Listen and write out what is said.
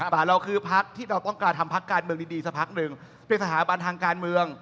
แต่เราคือพักที่เราต้องการทำพักการเมืองดีสักพักหนึ่งเป็นสถาบันทางการเมือง